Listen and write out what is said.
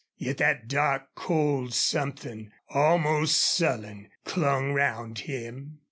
Yet that dark cold something, almost sullen clung round him.